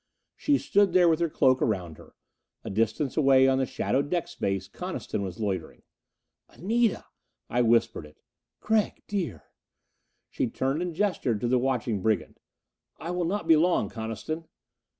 She stood there with her cloak around her. A distance away on the shadowed deck space Coniston was loitering. "Anita!" I whispered it. "Gregg, dear!" She turned and gestured to the watching brigand. "I will not be long, Coniston."